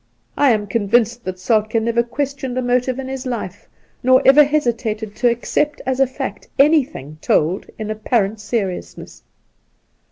I am convinced that Soltk^ never questioned a motive in his life, nor ever hesitated to accept as a fact any thing told in apparent seriousness.